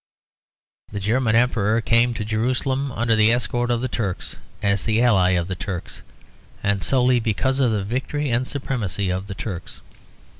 The German Emperor came to Jerusalem under the escort of the Turks, as the ally of the Turks, and solely because of the victory and supremacy of the Turks.